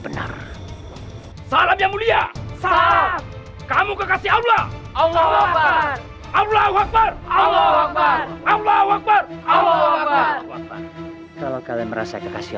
mereka keluarga aku